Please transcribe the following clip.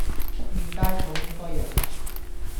出面街舖應該有